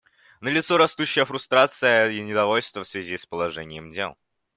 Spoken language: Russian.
Налицо растущая фрустрация и недовольство в связи с положением дел.